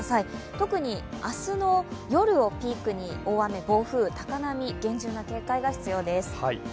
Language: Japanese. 特に明日の夜をピークに大雨暴風、高波、厳重な警戒が必要です。